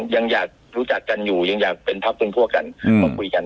ยังอยากรู้จักกันอยู่ยังอยากเป็นพักเป็นพวกกันมาคุยกัน